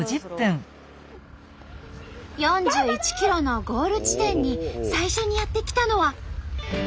４１ｋｍのゴール地点に最初にやって来たのは。